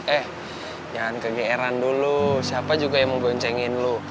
eh jangan kegeeran dulu siapa juga yang mau boncengin lo